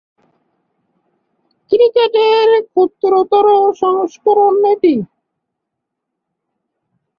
ক্রিকেটের ক্ষুদ্রতর সংস্করণ এটি।